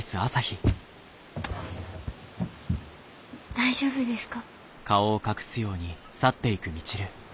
大丈夫ですか？